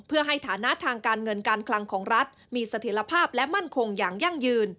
เพื่อให้ฐานะทางการเงินการคลังของรัฐมีเสถียรภาพและมั่นคงอย่างยั่งยืน